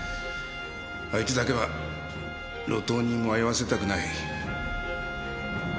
あいつだけは路頭に迷わせたくない。